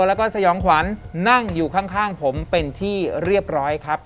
แล้วก็สยองขวัญนั่งอยู่ข้างผมเป็นที่เรียบร้อยครับ